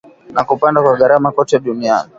na kupanda kwa gharama kote duniani